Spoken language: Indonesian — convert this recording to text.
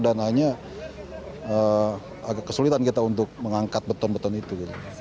dan hanya agak kesulitan kita untuk mengangkat beton beton itu